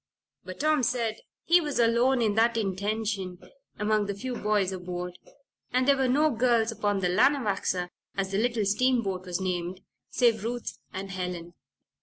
But Tom said he was alone in that intention among the few boys aboard; and there were no girls upon the Lanawaxa, as the little steamboat was named, save Ruth and Helen.